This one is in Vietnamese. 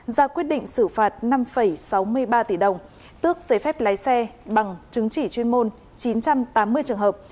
ra quyết định xử phạt năm sáu mươi ba tỷ đồng tước giấy phép lái xe bằng chứng chỉ chuyên môn chín trăm tám mươi trường hợp